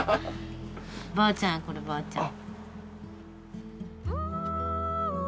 ばあちゃんやこればあちゃん。